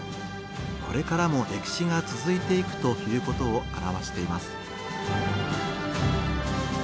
これからも歴史が続いていくということを表しています。